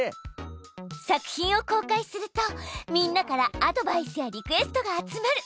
作品を公開するとみんなからアドバイスやリクエストが集まる。